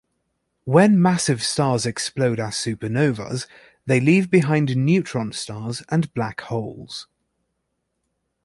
When massive stars explode as supernovas, they leave behind neutron stars and black holes.